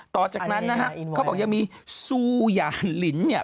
ต่อจากนั้นนะฮะเขาบอกยังมีซูยาลินเนี่ย